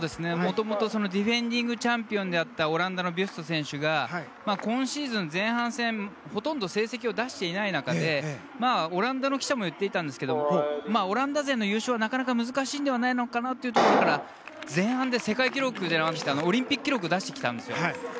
もともとディフェンディングチャンピオンであったオランダのビュスト選手が今シーズン前半戦でほとんど成績を出していない中でオランダの記者も言っていたんですがオランダ勢の優勝はなかなか難しいのではというところで、前半でオリンピック記録を出してきたんです。